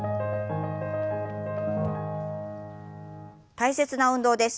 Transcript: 大切な運動です。